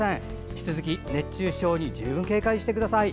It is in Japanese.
引き続き熱中症に十分警戒してください。